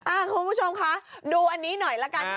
คุณผู้ชมคะดูอันนี้หน่อยละกัน